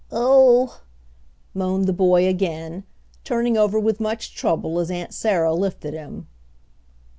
"Oh," moaned the boy again, turning over with much trouble as Aunt Sarah lifted him.